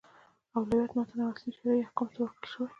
اولویت متن او اصلي شرعي احکامو ته ورکړل شوی.